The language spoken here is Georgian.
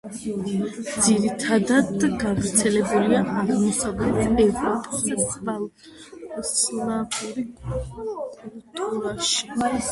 ძირითადად გავრცელებულია აღმოსავლეთ ევროპის სლავურ კულტურაში.